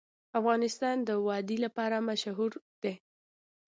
افغانستان د وادي لپاره مشهور دی.